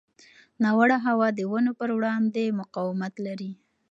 ناوړه هوا د ونو پر وړاندې مقاومت لري.